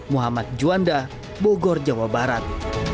muhammad juanda bogor jawa barat